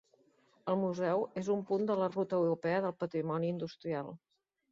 El museu és un punt de la Ruta Europea del Patrimoni Industrial.